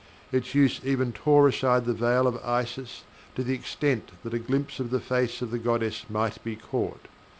Its use even tore aside the Veil of Isis to the extent that a glimpse of the face of the goddess might be caught.